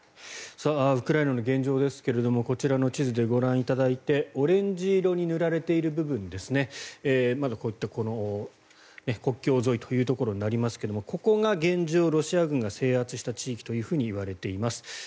ウクライナの現状ですがこちらの地図でご覧いただいてオレンジ色に塗られている部分まだこういった国境沿いというところになりますがここが現状、ロシア軍が制圧した地域と言われています。